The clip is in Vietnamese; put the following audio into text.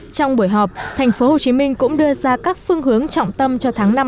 trong buổi họp thành phố hồ chí minh cũng đưa ra các phương hướng trọng tâm cho tháng năm năm hai nghìn